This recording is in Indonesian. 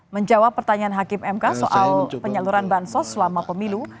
menjawab pertanyaan hakim mk soal penyaluran bansos selama pemilu